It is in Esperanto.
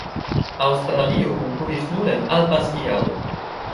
Aŭstralio konkuris nur en Alpa skiado.